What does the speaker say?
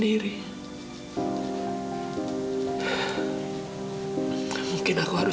terima kasih sar